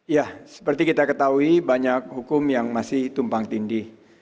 ya seperti kita ketahui banyak hukum yang masih tumpang tindih